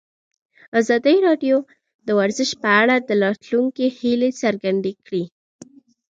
ازادي راډیو د ورزش په اړه د راتلونکي هیلې څرګندې کړې.